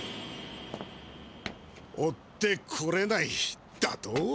追ってこれないだと？